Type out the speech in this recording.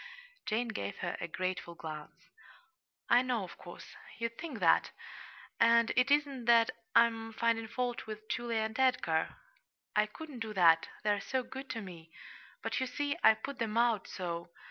Jane gave her a grateful glance. "I know, of course, you'd think that, and it isn't that I'm finding fault with Julia and Edgar. I couldn't do that they're so good to me. But, you see, I put them out so.